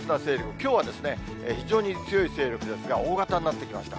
きょうは非常に強い勢力ですが、大型になってきました。